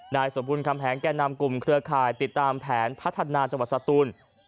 นายสมบูรณคำแหงแก่นำกลุ่มเครือข่ายติดตามแผนพัฒนาจังหวัดสตูน